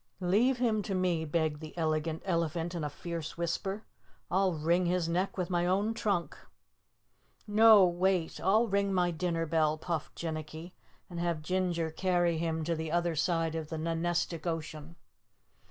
"Leave him to me," begged the Elegant Elephant in a fierce whisper. "I'll wring his neck with my own trunk." "No, wait I'll ring my dinner bell," puffed Jinnicky, "and have Ginger carry him to the other side of the Nonestic Ocean."